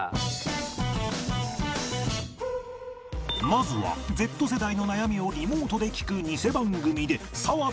まずは Ｚ 世代の悩みをリモートで聞く